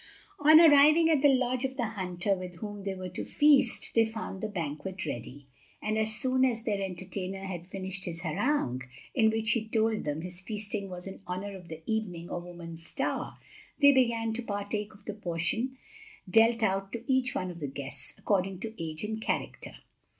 On arriving at the lodge of the hunter with whom they were to feast, they found the banquet ready, and as soon as their entertainer had finished his harangue in which he told them his feasting was in honor of the Evening or Woman's Star they began to partake of the portion dealt out to each one of the guests, according to age and character.